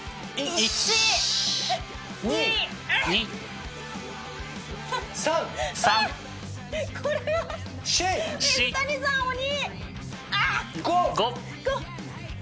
１２３２